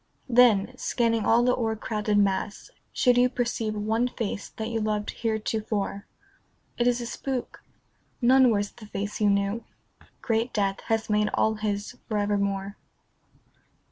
Then, scanning all the o'ercrowded mass, should you Perceive one face that you loved heretofore, It is a spook. None wears the face you knew. Great death has made all his for evermore.